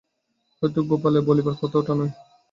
হয়তো গোপালের বলিবার কথা ওটা নয়।